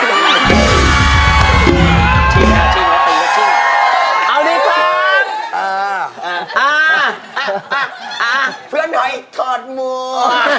เอาดีครับอ่าอ่าอ่าอ่าเพื่อนหน่อยถอดมัว